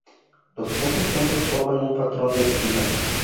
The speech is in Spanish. Los puntos juntos forman un patrón de espiga.